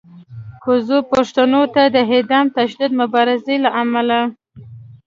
کوزو پښتنو ته د عدم تشدد مبارزې له امله